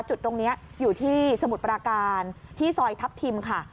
จุดตรงนี้อยู่ที่สมุทรปราการที่ซอยทัพทิมค่ะ